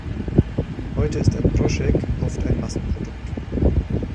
Heute ist ein Prošek oft ein Massenprodukt.